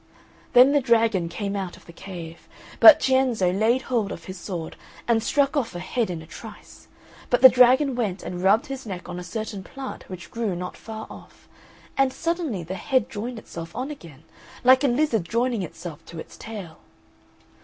Then the dragon came out of the cave. But Cienzo laid hold of his sword and struck off a head in a trice; but the dragon went and rubbed his neck on a certain plant which grew not far off, and suddenly the head joined itself on again, like a lizard joining itself to its tail.